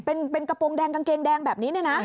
เป็นกระโปรงแดงกางเกงแดงแบบนี้เนี่ยนะ